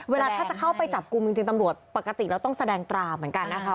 เวลาถ้าจะเข้าไปจับกลุ่มจริงตำรวจปกติเราต้องแสดงตราเหมือนกันนะคะ